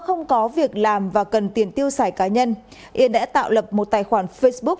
không có việc làm và cần tiền tiêu xài cá nhân yên đã tạo lập một tài khoản facebook